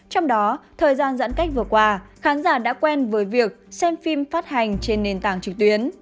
trong đó thời gian giãn cách vừa qua khán giả đã quen với việc xem phim phát hành trên nền tảng trực tuyến